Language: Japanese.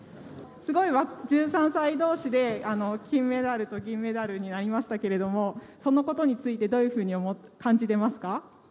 すごい１３歳どうしで金メダルと銀メダルになりましたけど、そのことについて、どういうふうに感じてますか。